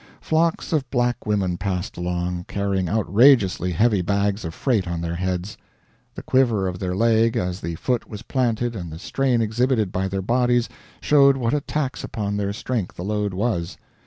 Flocks of black women passed along, carrying outrageously heavy bags of freight on their heads. The quiver of their leg as the foot was planted and the strain exhibited by their bodies showed what a tax upon their strength the load was.